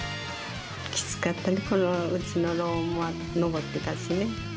きつかったね、このおうちのローンも残ってたしね。